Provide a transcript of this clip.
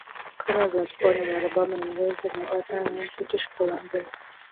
Conrad was born in Alabama and raised in Nevada and British Columbia.